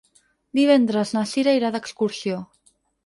Divendres na Cira irà d'excursió.